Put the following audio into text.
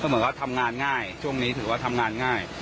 เหมือนว่าทำงานง่ายช่วงนี้ถือว่าทำงานง่าย